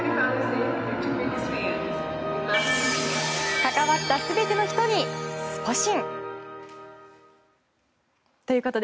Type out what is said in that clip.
関わった全ての人にスポ神。